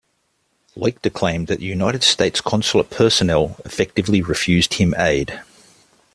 Leuchter claimed that United States consulate personnel effectively refused him aid.